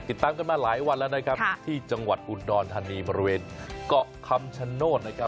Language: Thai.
ติดตามกันมาหลายวันแล้วนะครับที่จังหวัดอุดรธานีบริเวณเกาะคำชโนธนะครับ